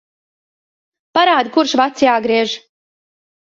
Parādi, kurš vads jāgriež.